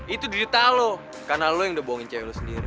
itu digital lo karena lo yang udah bohongin cewek sendiri